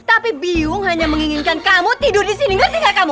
tapi biyung hanya menginginkan kamu tidur di sini ngerti gak kamu